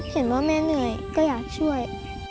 เห็นว่าแม่เหนื่อยก็อยากช่วย